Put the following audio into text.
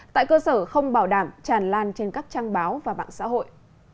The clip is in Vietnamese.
tại cơ sở không bảo đảm tràn lan trên các trang báo và mạng xã hội